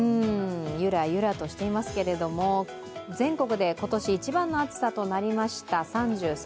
ゆらゆらとしていますけれども全国で今年一番の暑さとなりました